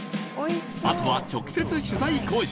あとは直接、取材交渉